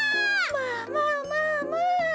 まあまあまあまあ。